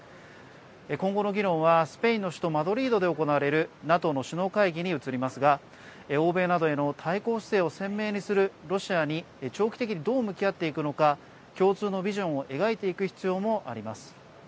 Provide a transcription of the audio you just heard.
今後の議論は、スペインの首都マドリードで行われるＮＡＴＯの首脳会議に移りますが欧米などへの対抗姿勢を鮮明にするロシアに長期的にどう向き合っていくのか共通のビジョンを描いていく必要もあります。